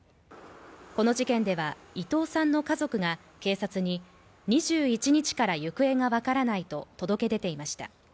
この事件では、伊藤さんの家族が警察に２１日から行方がわからないと届け出が出ていました。